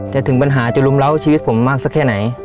ถึงปัญหาจะรุมเล้าชีวิตผมมากสักแค่ไหน